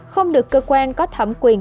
không được cơ quan có thẩm quyền